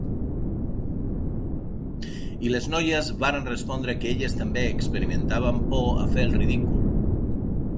I les noies varen respondre que elles també experimentaven por a fer el ridícul.